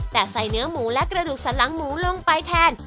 แต่ใส่เนื้อหมูและกระดูกสันหลังหมูลงไปแทน